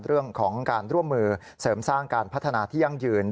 เรื่องของการร่วมมือเสริมสร้างการพัฒนาที่ยั่งยืน